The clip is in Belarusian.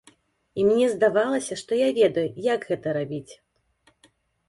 І мне здавалася, што я ведаю, як гэта рабіць.